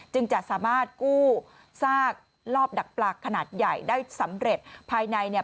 จะสามารถกู้ซากรอบดักปลาขนาดใหญ่ได้สำเร็จภายในเนี่ย